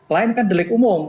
lain kan delik umum